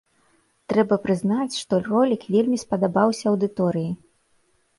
Трэба прызнаць, што ролік вельмі спадабаўся аўдыторыі.